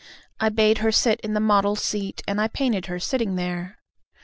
I bade her sit in the model's seat And I painted her sitting there.